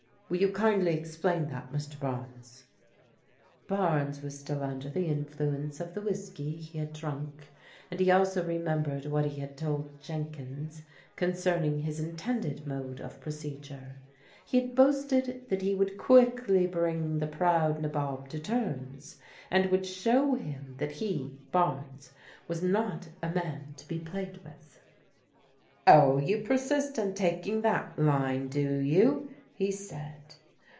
Will you kindly explain that, Mr. Barnes ?" Barnes was still under the influence of the whiskey he had drunk, and he also remembered what he had told Jenkins concerning his intended mode of procedure. He had boasted that he would quickly bring the proud Nabob to terms, and would show him that he, Barnes, was not a man to be played with. Oh, you persist in taking that line, do you ?" he said.